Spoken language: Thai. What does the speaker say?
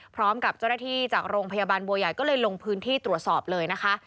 พร้อมกับเจ้าหน้าที่จากโรงพยาบาลบัวใหญ่ก็เลยลงพื้นที่ตรวจสอบเลยนะคะ